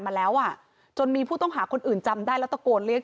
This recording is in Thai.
มาแล้วอ่ะจนมีผู้ต้องหาคนอื่นจำได้แล้วตะโกนเรียก